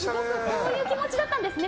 こういう気持ちだったんですね